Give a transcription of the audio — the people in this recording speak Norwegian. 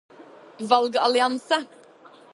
valgallianse